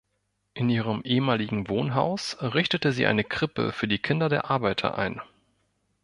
In ihrem ehemaligen Wohnhaus richtete sie eine Krippe für die Kinder der Arbeiter ein.